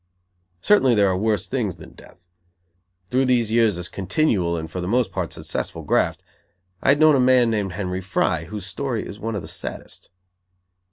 Certainly there are worse things than death. Through these three years of continual and for the most part successful graft, I had known a man named Henry Fry whose story is one of the saddest.